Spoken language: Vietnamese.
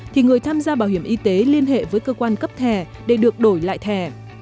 thì người tham gia bảo hiểm y tế liên hệ với cơ quan cấp thẻ để được đổi lại thẻ